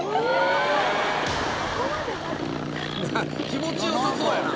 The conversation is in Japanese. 気持ち良さそうやな。